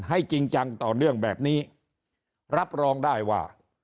จริงจังต่อเนื่องแบบนี้รับรองได้ว่า